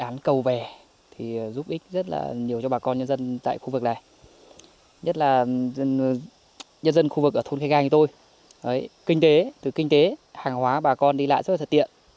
nhân dân khu vực ở thôn khe gai như tôi từ kinh tế hàng hóa bà con đi lại rất là thật tiện